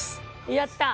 やった！